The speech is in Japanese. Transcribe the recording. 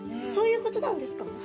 そういうことなんですか？